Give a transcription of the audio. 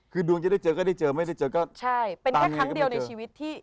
คือดวงจะได้เจอก็ได้เจอไม่ได้เจอก็ใช่เป็นแค่ครั้งเดียวในชีวิตที่